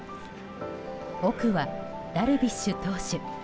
奥はダルビッシュ投手。